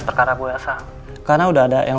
perkara bu elsa karena udah ada yang